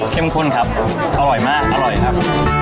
ข้นครับอร่อยมากอร่อยครับ